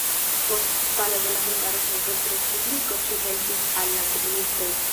Post falo de la hungara sovetrespubliko ŝi helpis al la komunistoj.